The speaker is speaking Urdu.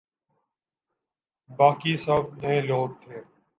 باقی سب نئے لوگ تھے۔